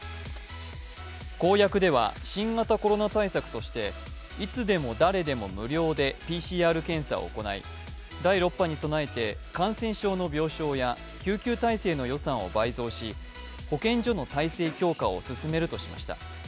公約では新型コロナ対策としていつでも・誰でも・無料でＰＣＲ検査を行い、第６波に備えて感染症の病床や救急体制の予算を倍増し、保健所の体制強化を進めるとしました。